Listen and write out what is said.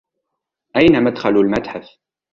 أين مدخل المتحف ؟